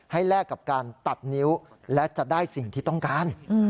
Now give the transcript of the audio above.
แลกกับการตัดนิ้วและจะได้สิ่งที่ต้องการ